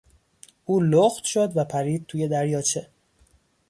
او لخت شد و پرید توی دریاچه.